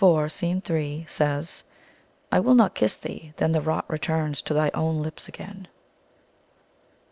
3) says, "* I will not kiss thee ; then the rot returns To thy own lips again.